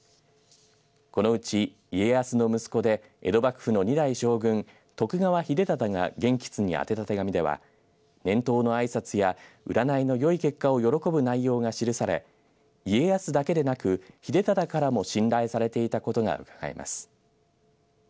このうち家康の息子で江戸幕府の２代将軍徳川秀忠が元佶にあてた手紙では年頭のあいさつや占いのよい結果を喜ぶ内容が記され家康だけでなく秀忠からも信頼されていたことがうかがえます。